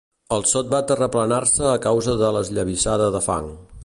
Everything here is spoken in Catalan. El sot va terraplenar-se a causa de l'esllavissada de fang.